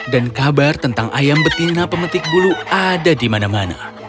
dan kabar tentang ayam betina pemetik bulu ada di mana mana